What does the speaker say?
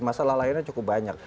masalah lainnya cukup banyak